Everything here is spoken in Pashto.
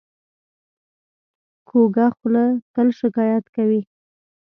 کوږه خوله تل شکایت کوي